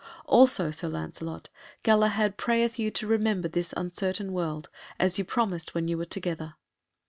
Also, Sir Lancelot, Galahad prayeth you to remember of this uncertain world, as you promised when you were together!"